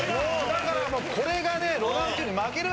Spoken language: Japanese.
だからこれがね。